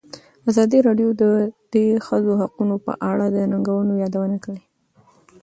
ازادي راډیو د د ښځو حقونه په اړه د ننګونو یادونه کړې.